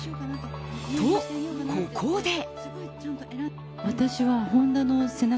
と、ここで。